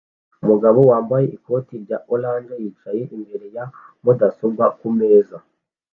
Umugabo wambaye ikoti rya orange yicaye imbere ya mudasobwa kumeza